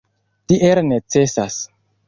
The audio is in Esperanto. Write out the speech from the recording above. Tiel necesas.